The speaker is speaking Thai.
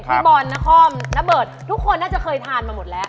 พี่บอลนครณเบิดทุกคนน่าจะเคยทานมาหมดแล้ว